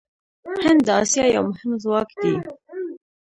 هند د اسیا یو مهم ځواک دی.